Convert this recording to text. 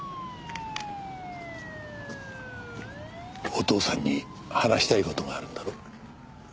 お父さんに話したい事があるんだろ？